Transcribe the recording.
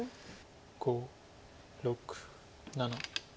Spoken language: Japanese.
５６７８。